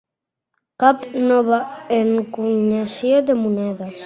Cap nova encunyació de monedes